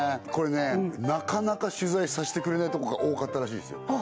これなかなか取材させてくれないとこが多かったらしいですよ